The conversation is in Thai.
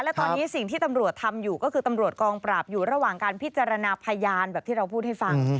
และตอนนี้สิ่งที่ตำรวจทำอยู่ก็คือตำรวจกองปราบอยู่ระหว่างการพิจารณาพยานแบบที่เราพูดให้ฟัง